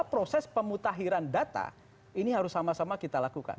proses pemutahiran data ini harus sama sama kita lakukan